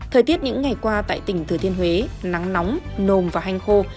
thời tiết những ngày qua tại tỉnh thừa thiên huế nắng nóng nồm và hanh khô